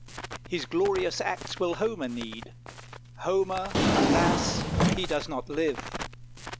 His glorious acts will Homer need; Homer, alas! he does not live.